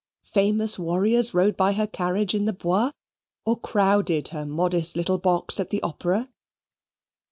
Famous warriors rode by her carriage in the Bois, or crowded her modest little box at the Opera.